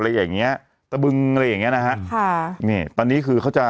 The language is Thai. อะไรอย่างเงี้ยตะบึงอะไรอย่างเงี้นะฮะค่ะนี่ตอนนี้คือเขาจะ